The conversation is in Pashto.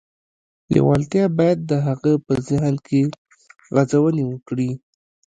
لېوالتیا باید د هغه په ذهن کې غځونې وکړي